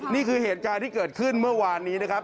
นี่คือเหตุการณ์ที่เกิดขึ้นเมื่อวานนี้นะครับ